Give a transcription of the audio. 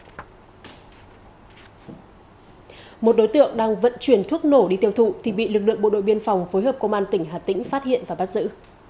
ngày một mươi năm tháng năm năm hai nghìn một mươi bốn một đối tượng đang vận chuyển thuốc nổ đi tiêu thụ thì bị lực lượng bộ đội biên phòng phối hợp công an tỉnh hà tĩnh phát hiện và bắt giữ